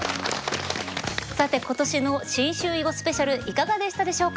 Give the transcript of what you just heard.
さて今年の新春囲碁スペシャルいかがでしたでしょうか？